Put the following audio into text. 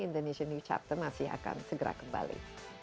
indonesia new chapter masih akan segera kembali